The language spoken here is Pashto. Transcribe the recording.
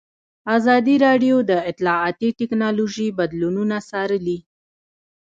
ازادي راډیو د اطلاعاتی تکنالوژي بدلونونه څارلي.